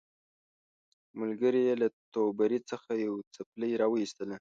ملګري یې له توبرې څخه یوه څپلۍ راوایستله.